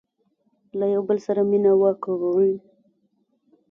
• له یوه بل سره مینه وکړئ.